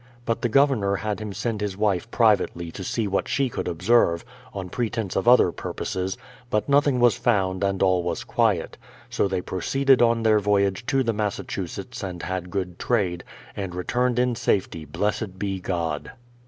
But the Governor had him send his wife privately to see what she could observe, on pretence of other purposes, but noth ing was found and all was quiet. So they proceeded on their voyage to the Massachusetts and had good trade, and returned in safety blessed be God!